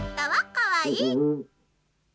かわいい。